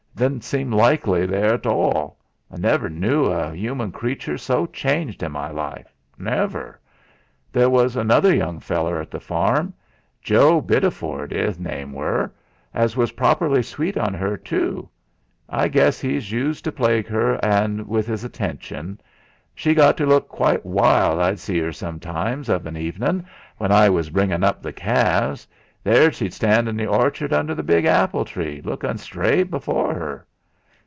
didn'seem rightly therr at all. I never knu a'uman creature so changed in me life never. There was another young feller at the farm Joe Biddaford 'is name wer', that was praaperly sweet on 'er, tu; I guess 'e used to plague 'er wi 'is attentions. She got to luke quite wild. I'd zee her sometimes of an avenin' when I was bringin' up the calves; ther' she'd stand in th' orchard, under the big apple tree, lukin' straight before 'er.